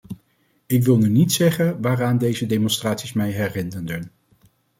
Ik wil nu niet zeggen waaraan deze demonstraties mij herinnerden.